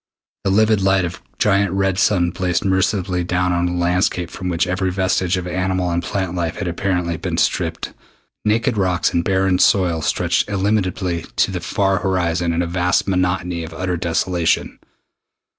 The livid light of a giant red sun blazed mercilessly down upon a landscape from which every vestige of animal and plant life had apparently been stripped. Naked rocks and barren soil stretched illimitably to the far horizon in a vast monotony of utter desolation.